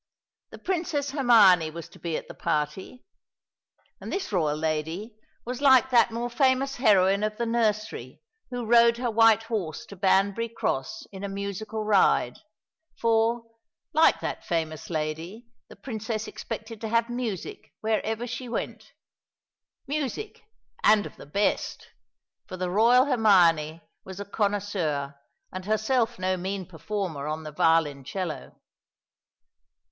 The Princess Hermione was to be at the party and this royal lady was like that more famous heroine of the nursery, who rode her white horse to Banbury Cross in a musical ride; for, like that famous lady, the Princess expected to have music wherever she went, music, and of the best, for the royal Hermione was a connoisseur, and herself no mean performer on the violoncello.